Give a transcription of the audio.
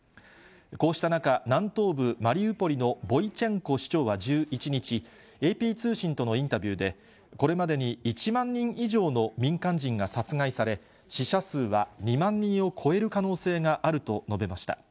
こうした中、南東部マリウポリのボイチェンコ市長は１１日、ＡＰ通信とのインタビューで、これまでに１万人以上の民間人が殺害され、死者数は２万人を超える可能性があると述べました。